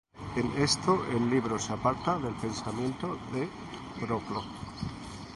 En esto el libro se aparta del pensamiento de Proclo.